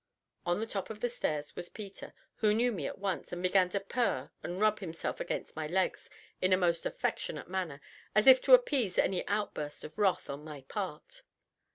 On the top of the stairs was Peter, who knew me at once, and began to purr and rub himself against my legs in a most affectionate manner, as if to appease any outburst of wrath on my part.